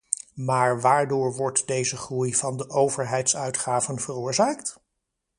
Maar waardoor wordt deze groei van de overheidsuitgaven veroorzaakt?